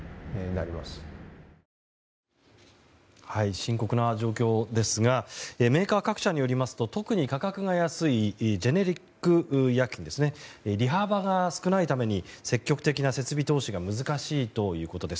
深刻な状況ですがメーカー各社によりますと特に価格が安いジェネリック医薬品利幅が少ないために積極的な設備投資が難しいということです。